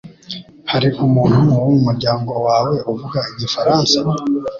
Hari umuntu wo mu muryango wawe uvuga igifaransa?